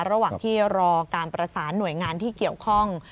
ระหว่างที่รอการประสานหน่วยงานที่เกี่ยวข้อง